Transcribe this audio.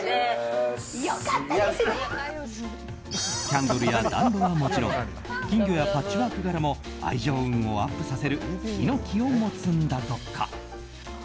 キャンドルや暖炉はもちろん金魚やパッチワーク柄も愛情運をアップさせる火の気を持つんだとか。